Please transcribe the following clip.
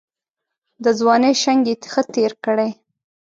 د ځوانۍ شنګ یې ښه تېر کړی.